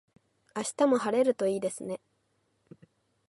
明日も晴れるといいですね。